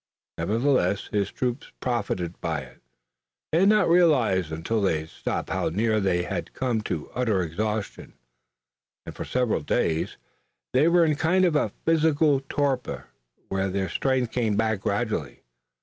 Nevertheless his troops profited by it. They had not realized until they stopped how near they too had come to utter exhaustion, and for several days they were in a kind of physical torpor while their strength came back gradually.